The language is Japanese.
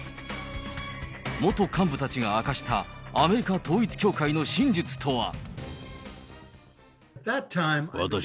元幹部たちが明かしたアメリカ統一教会の真実とは。